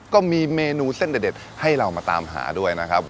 ก็มีเมนูเส้นเด็ดให้เรามาตามหาด้วยนะครับ